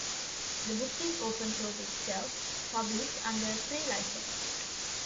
The book is open source itself, published under a free license.